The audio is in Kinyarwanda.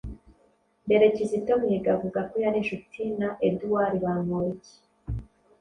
Mbere, Kizito Mihigo avuga ko yari inshuti na Edouard Bamporiki